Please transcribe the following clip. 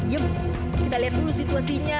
yuk kita lihat dulu situasinya